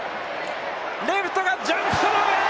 レフトがジャンプ、その上！